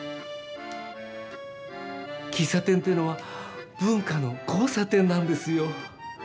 喫茶店っていうのは文化の交差点なんですよ。